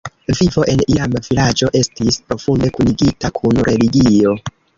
Vivo en iama vilaĝo estis profunde kunigita kun religio.